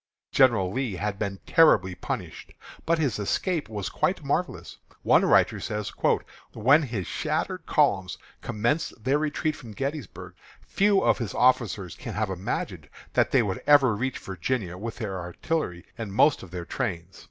General Lee had been terribly punished, but his escape was quite marvellous. One writer says: "When his shattered columns commenced their retreat from Gettysburg, few of his officers can have imagined that they would ever reach Virginia with their artillery and most of their trains."